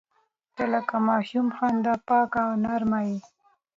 • ته لکه د ماشوم خندا پاکه او نرمه یې.